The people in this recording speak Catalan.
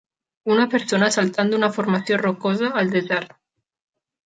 Una persona saltant d'una formació rocosa al desert.